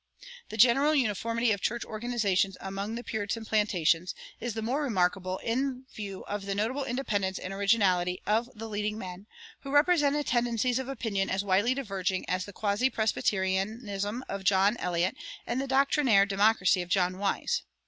The general uniformity of church organization among the Puritan plantations is the more remarkable in view of the notable independence and originality of the leading men, who represented tendencies of opinion as widely diverging as the quasi Presbyterianism of John Eliot and the doctrinaire democracy of John Wise.